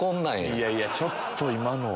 いやいやちょっと今の。